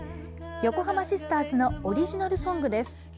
横濱シスターズのオリジナルソングです。